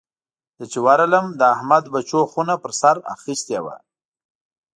زه چې ورغلم؛ د احمد بچو خونه پر سر اخيستې وه.